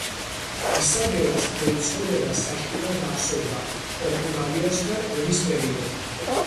ისაბელას მთელი ცხოვრება საშინლად ახსოვდა პორტუგალიასთან ომის პერიოდი.